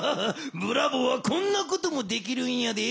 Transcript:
ブラボーはこんなこともできるんやで。